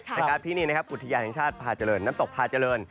นะครับที่นี่นะครับอุทยานแห่งชาติพาเจริญน้ำตกพาเจริญ